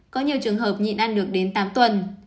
có nhiều trường hợp nhịn ăn được đến tám tuần